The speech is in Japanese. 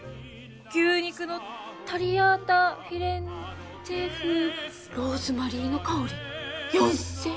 牛肉のタリアータフィレンツェ風ローズマリーの香り４，０００円！？